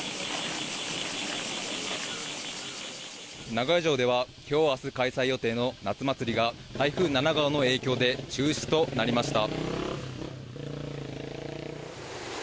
名古屋城では今日明日、開催予定の夏まつりが、台風７号の影響で中止となりました。